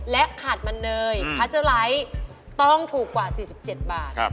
และขาดมันเนยพัสเจอร์ไลท์ต้องถูกกว่า๔๗บาท